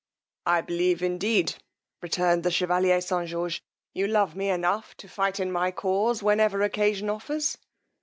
I believe, indeed, returned the chevalier St. George, you love me enough to fight in my cause whenever occasion offers.